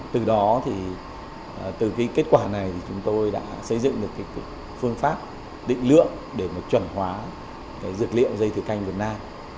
từ đó từ kết quả này chúng tôi đã xây dựng được phương pháp định lượng để chuẩn hóa dược liệu dây thiều canh việt nam